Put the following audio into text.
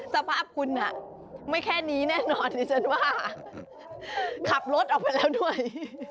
สภาพคุณไม่แค่นี้แน่นอนดิฉันว่าขับรถออกไปแล้วด้วย